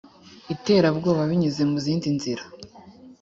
iterabwoba binyuze mu zindi nzira